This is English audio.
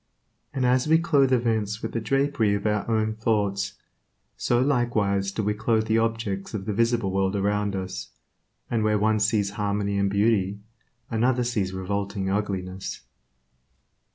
And as we clothe events with the drapery of our own thoughts, so likewise do we clothe the objects of the visible world around us, and where one sees harmony and beauty, another sees revolting ugliness.